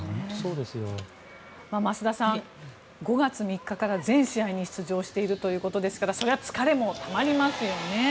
増田さん、５月３日から全試合に出場しているということですからそれは疲れもたまりますよね。